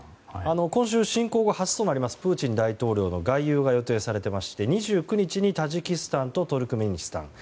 今週、侵攻後初となるプーチン大統領の外遊が予定されていまして２９日にタジキスタンとトルクメニスタン。